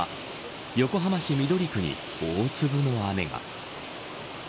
横浜市緑区に大粒の雨が。